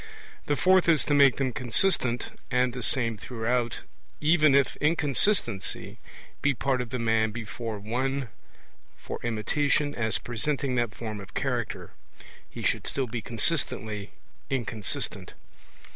The fourth is to make them consistent and the same throughout; even if inconsistency be part of the man before one for imitation as presenting that form of character, he should still be consistently inconsistent.